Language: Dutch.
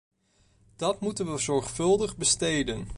Dat moeten we zorgvuldig besteden.